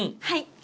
はい。